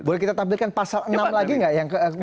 boleh kita tampilkan pasal enam lagi nggak yang